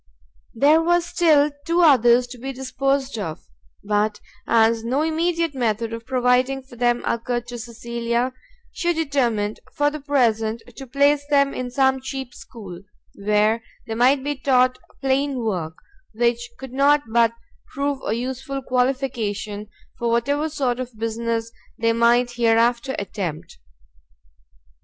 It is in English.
There were still two others to be disposed of; but as no immediate method of providing for them occurred to Cecilia, she determined, for the present, to place them in some cheap school, where they might be taught plain work, which could not but prove a useful qualification for whatever sort of business they might hereafter attempt.